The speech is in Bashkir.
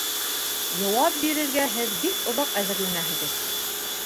Яуап бирергә һеҙ бик оҙаҡ әҙерләнәһегеҙ